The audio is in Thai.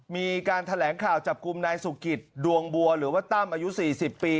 มีการแถลงข่าวจับกลุ่มนายสุกิตดวงบัวหรือว่าตั้มอายุ๔๐ปี